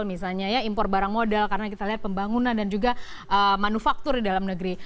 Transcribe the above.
misalnya ya impor barang modal karena kita lihat pembangunan dan juga manufaktur di dalam negeri